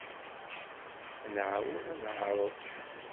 Ad nɛawed ad neɛreḍ.